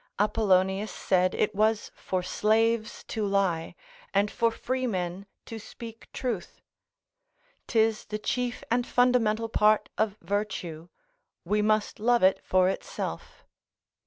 Apollonius said it was for slaves to lie, and for freemen to speak truth: 'tis the chief and fundamental part of virtue; we must love it for itself.